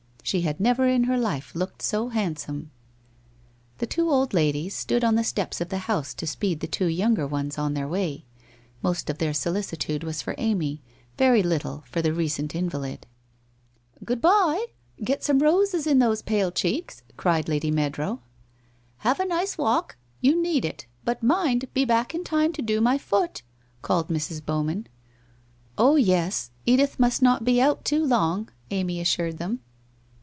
She had never in her life looked so handsome. The two old ladies stood on the steps of the house to speed the two younger ones on their way. Most of their solicitude was for Amy, very little for the recent invalid. 192 WHITE ROSE OF WEARY LEAF 193 ' Good bye ! Get some roses in those pale cheeks/ cried Lady Meadrow. ' Have a nice walk, you need it, but mind and be back in time to do my foot,' called Mrs. Bowman. ' Oh, yes. Edith must not be out too long,' Amy assured them.